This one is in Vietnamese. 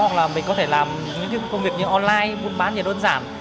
hoặc là mình có thể làm những công việc như online buôn bán gì đơn giản